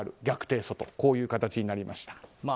逆提訴という形になりました。